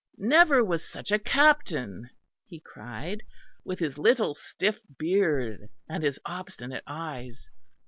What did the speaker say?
"Never was such a captain," he cried, "with his little stiff beard and his obstinate eyes.